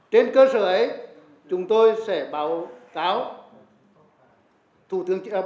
trên cơ sở ấy chúng tôi sẽ báo cáo đồng chí chủ tịch quốc hội